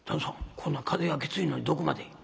こんな風がきついのにどこまで？」。